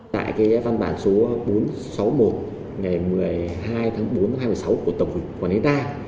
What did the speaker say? tại cái văn bản số bốn trăm sáu mươi một ngày một mươi hai tháng bốn hai mươi sáu của tổng cục quản lý đa